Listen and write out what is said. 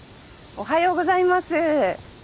おはようございます。